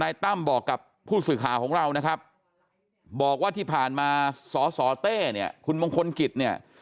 ทนายตั้มบอกกับผู้ศึกษาของเรานะครับบอกว่าที่ผ่านมาสสเต้คุณมงคลกิจ